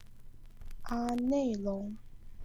阿内龙。